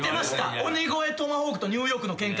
鬼越トマホークとニューヨークのケンカ